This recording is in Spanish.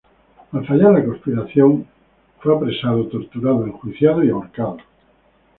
Al fallar la conspiración fue apresado, torturado, enjuiciado y ahorcado.